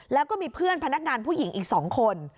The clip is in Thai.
แล้วก็มีเพื่อนพนักงานผู้หญิงอีก๒คน